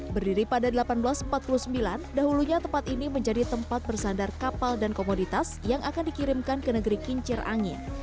berdiri pada seribu delapan ratus empat puluh sembilan dahulunya tempat ini menjadi tempat bersandar kapal dan komoditas yang akan dikirimkan ke negeri kincir angin